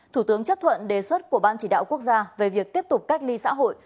thủ tướng chấp thuận đề xuất của ban chỉ đạo quốc gia về việc tiếp tục cách ly xã hội